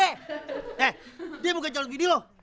eh dia bukan calon gini lo